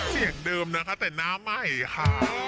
เสียงเดิมนะคะแต่หน้าใหม่ค่ะ